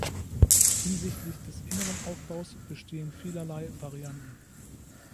Hinsichtlich des inneren Aufbaus bestehen vielerlei Varianten.